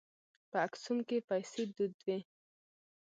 په اکسوم کې پیسې دود وې.